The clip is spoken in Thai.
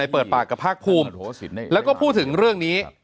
เปิดปากกับภาคภูมิแล้วก็พูดถึงเรื่องนี้